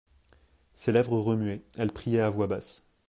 Ses lèvres remuaient ; elle priait à voix basse.